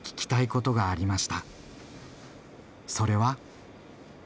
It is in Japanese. それは。